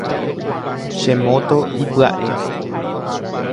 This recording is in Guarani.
Che moto ipya’e.